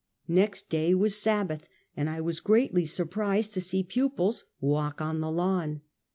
Next day was Sabbath, and I was greatly surprised to see pupils walk on the lawn.